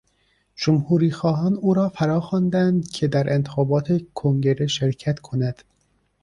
جمهوری خواهان او را فراخواندند که در انتخابات کنگره شرکت کند.